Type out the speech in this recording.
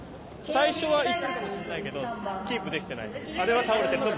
最初はよかったかもしれないけどキープできてないから。